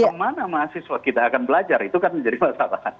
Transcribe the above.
kemana mahasiswa kita akan belajar itu kan menjadi masalah